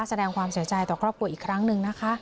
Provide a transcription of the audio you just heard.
แสดงความเสียใจต่อครอบครัวอีกครั้งหนึ่งนะคะ